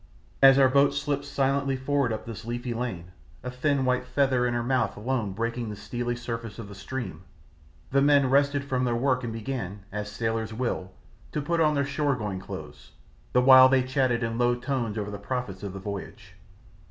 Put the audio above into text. As our boat slipped silently forward up this leafy lane, a thin white "feather" in her mouth alone breaking the steely surface of the stream, the men rested from their work and began, as sailors will, to put on their shore going clothes, the while they chatted in low tones over the profits of the voyage.